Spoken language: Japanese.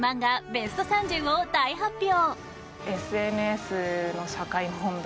ベスト３０を大発表！